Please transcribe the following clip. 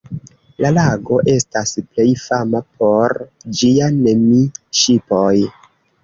La lago estas plej fama por ĝia Nemi-ŝipoj.